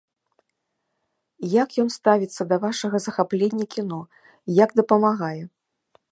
Як ён ставіцца да вашага захаплення кіно, як дапамагае?